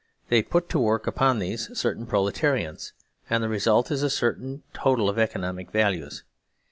They put to work upon these certain Proletarians, and the result is a certain total of economic values.